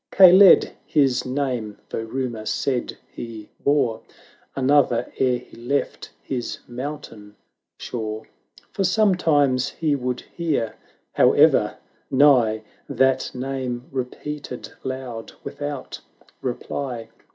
Kaled his name, though rumour said he bore Another ere he left his mountain shore; For sometimes he would hear, however nigh. That name repeated loud without reply.